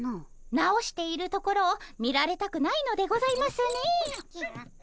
直しているところを見られたくないのでございますね。